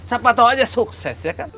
siapa tahu aja sukses ya kan